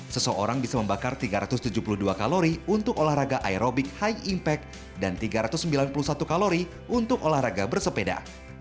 seseorang bisa membakar tiga ratus tujuh puluh dua kalori untuk olahraga aerobik high impact dan tiga ratus sembilan puluh satu kalori untuk olahraga bersepeda